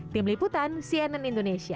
tim liputan cnn indonesia